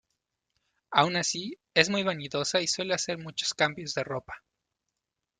Aun así, es muy vanidosa y suele hacer muchos cambios de ropa.